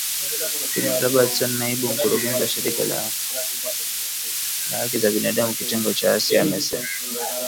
Phil Robertson naibu mkurugenzi wa shirika lahaki za binadamu kitengo cha Asia amesema